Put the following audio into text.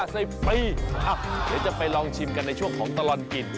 เดี๋ยวจะไปลองชิมกันในช่วงของตลอดกิน